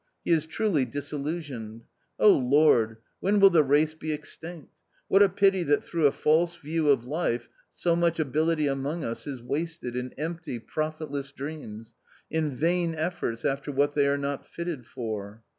He is truly disillusioned. Oh, Lord, when will the race be extinct? What a pity that through a false view of life so much ability among us is wasted in empty, profitless dreams, in vain efforts after what they are not fitted for."